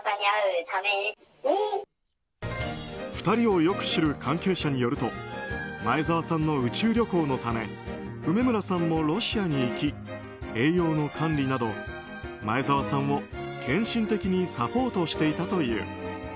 ２人をよく知る関係者によると前澤さんの宇宙旅行のため梅村さんもロシアに行き栄養の管理など前澤さんを献身的にサポートしていたという。